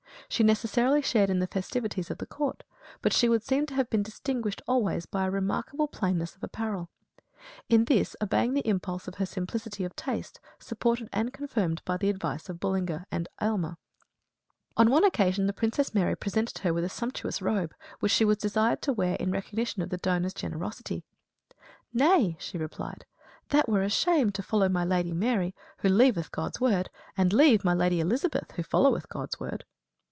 She necessarily shared in the festivities of the court; but she would seem to have been distinguished always by a remarkable plainness of apparel; in this obeying the impulse of her simplicity of taste, supported and confirmed by the advice of Bullinger and Aylmer. On one occasion the Princess Mary presented her with a sumptuous robe, which she was desired to wear in recognition of the donor's generosity. "Nay," she replied, "that were a shame, to follow my Lady Mary, who leaveth God's word, and leave my Lady Elizabeth who followeth God's word."